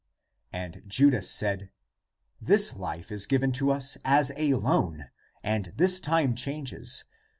And Judas said, " This life is given to us as a loan, and this time changes.